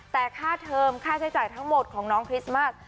แต่ค่าเทิมค่าใช้จ่ายทั้งหมดของน้องคริสต์มาส